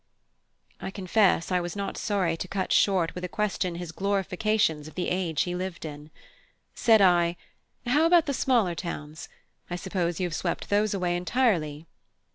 I confess I was not sorry to cut short with a question his glorifications of the age he lived in. Said I: "How about the smaller towns? I suppose you have swept those away entirely?"